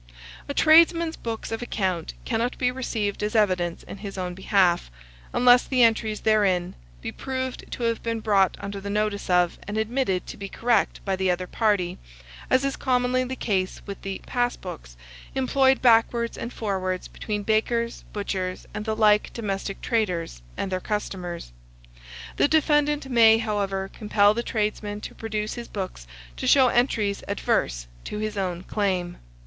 A tradesman's books of account cannot be received as evidence in his own behalf, unless the entries therein be proved to have been brought under the notice of, and admitted to be correct by the other party, as is commonly the case with the "pass books" employed backwards and forwards between bakers, butchers, and the like domestic traders, and their customers. The defendant may, however, compel the tradesman to produce his books to show entries adverse to his own claim.